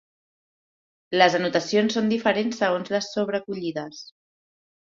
Les anotacions són diferents segons les sobrecollides.